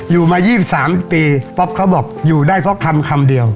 อยู่มา๒๓ปีป๊อปเขาบอกอยู่ได้เพราะคำคำเดียว